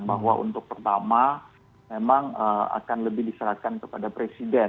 bahwa untuk pertama memang akan lebih diserahkan kepada presiden